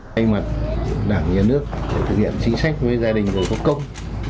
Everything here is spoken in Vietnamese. tên mặt đảng nhà nước thực hiện chính sách với gia đình với cộng công